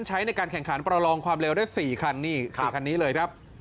ใช้ในการแข่งขันประลองความเร็วได้๔คันนี่๔คันนี้เลยครับ